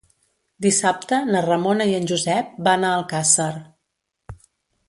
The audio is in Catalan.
Dissabte na Ramona i en Josep van a Alcàsser.